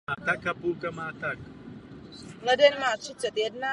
Jeho koníčkem byla botanika a stal se v ní odborníkem světové úrovně.